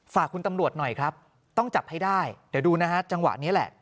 ฝากคุณตำรวจหน่อยครับต้องจับให้ได้เดี๋ยวดูนะฮะจังหวะนี้แหละ